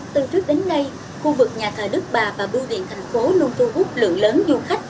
từ trước đến nay khu vực nhà thờ đức bà và bưu điện thành phố luôn thu hút lượng lớn du khách